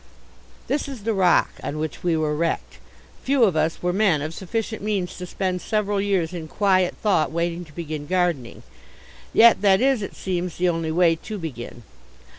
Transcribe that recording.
This is the rock on which we were wrecked. Few of us were men of sufficient means to spend several years in quiet thought waiting to begin gardening. Yet that is, it seems, the only way to begin.